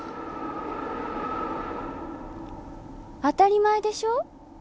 当たり前でしょ。